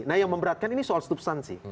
nah yang memberatkan ini soal substansi